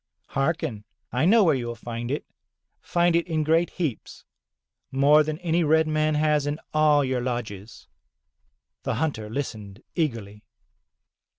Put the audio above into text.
"Hearken, I know where you will find it, find it in great heaps, more than any red man has in all your lodges." The hunter Hstened eagerly.